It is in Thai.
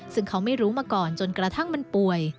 ซึ่งเขาไม่รู้มาก่อนจนกระทั่งมันป่วย